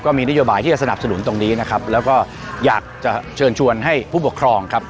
มีนโยบายที่จะสนับสนุนตรงนี้นะครับแล้วก็อยากจะเชิญชวนให้ผู้ปกครองครับ